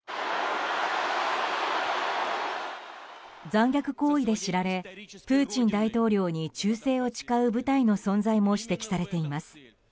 残虐行為で知られプーチン大統領に忠誠を誓う部隊の存在も指摘されています。